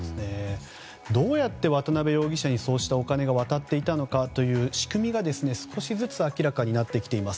どうやって渡邉容疑者にそうしたお金が渡っていたのかという仕組みが少しずつ明らかになってきています。